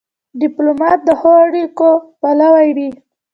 ډيپلومات د ښو اړیکو پلوی وي.